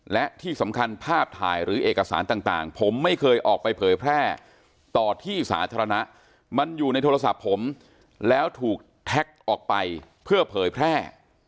และที่สำคัญภาพถ่ายหรือเอกสารต่างผมไม่เคยออกไปเผยแพร่ต่อที่สาธารณะมันอยู่ในโทรศัพท์ผมแล้วถูกแท็กออกไปเพื่อเผยแพร่